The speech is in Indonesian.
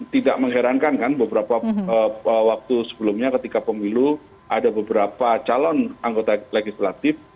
tidak mengherankan kan beberapa waktu sebelumnya ketika pemilu ada beberapa calon anggota legislatif